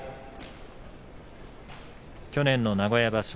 去年の名古屋場所